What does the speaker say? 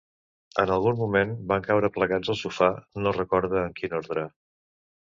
En algun moment van caure plegats al sofà, no recorda en quin ordre.